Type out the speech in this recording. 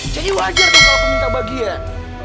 jadi wajar kan kalau aku minta bagian